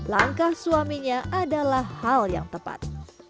langkah suaminya adalah hal yang tepat